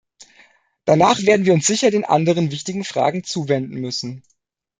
Danach werden wir uns sicher den anderen wichtigen Fragen zuwenden müssen.